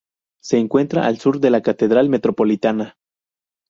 Se encuentra al Sur de la Catedral Metropolitana.